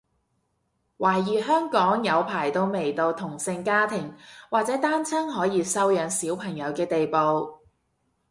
懷疑香港有排都未到同性家庭或者單親可以收養小朋友嘅地步